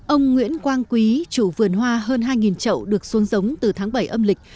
ông nguyễn quang quý chủ vườn hoa hơn hai trậu được xuống giống từ tháng bảy âm lịch